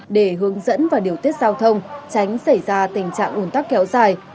để hướng dẫn và điều tiết giao thông tránh xảy ra tình trạng ủn tắc kéo dài